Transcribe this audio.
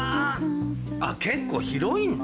あっ結構広いんだ。